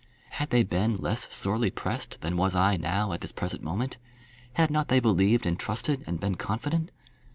Had they been less sorely pressed than was I now at this present moment? Had not they believed and trusted and been confident?